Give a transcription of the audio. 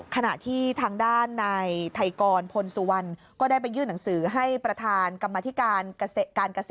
ขณะที่ทางด้านในไทกร